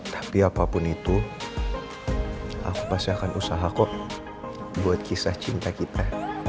tapi apapun itu aku pasti akan usaha kok buat kisah cinta kita